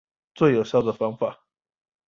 最有效的方法